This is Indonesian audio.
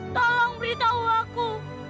tolong beritahu aku